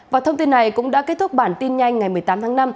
và thông tin này cũng đã kết thúc bản tin nhanh ngày một mươi tám tháng năm